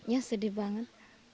ya sedih banget